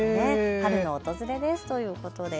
春の訪れですということです。